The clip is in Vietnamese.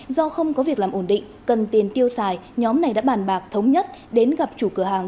do không có việc làm ổn định cần tiền tiêu xài nhóm này đã bàn bạc thống nhất đến gặp chủ cửa hàng